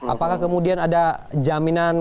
apakah kemudian ada jaminan